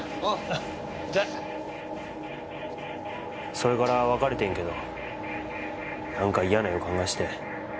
それから別れてんけど何か嫌な予感がして。